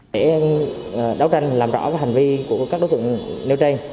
để đấu tranh làm rõ hành vi của các đối tượng nêu trên